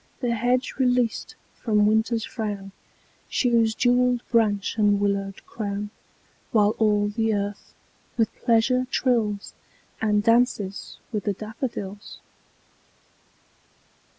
The hedge released from Winter's frown Shews jewelled branch and willow crown; While all the earth with pleasure trills, And 'dances with the daffodils.